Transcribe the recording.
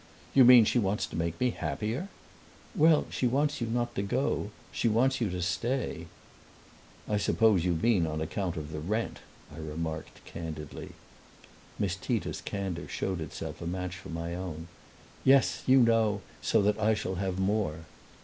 "You mean she wants to make me happier?" "Well, she wants you not to go; she wants you to stay." "I suppose you mean on account of the rent," I remarked candidly. Miss Tita's candor showed itself a match for my own. "Yes, you know; so that I shall have more."